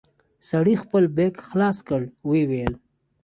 سړي خپل بېګ خلاص کړ ويې ويل.